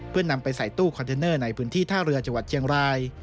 เพื่อนำไปใส่ตู้คอนเทนเนอร์ในพื้นที่ท่าเรือจังหวัดเชียงราย